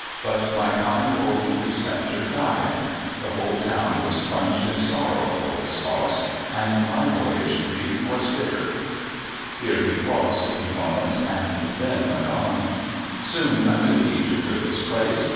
But my kind old preceptor died. The whole town was plunged in deep sorrow for his loss, and my boyish grief was bitter." Here he paused a few moments, and then went on: — "Soon a new teacher took his place.